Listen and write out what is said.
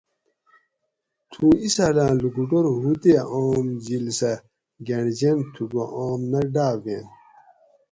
تھوں اِسالاۤں لوکوٹور ہُو تے آم جِھل سہ گۤھنڑ جین تھوکو آم نہ ڈاۤب ویں